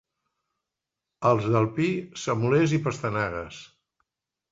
Els del Pi, semolers i pastanagues.